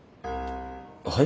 はい？